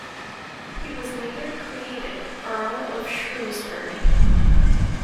He was later created Earl of Shrewsbury.